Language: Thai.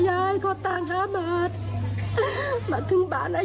ยายก็นั่งร้องไห้ลูบคลำลงศพตลอดเวลา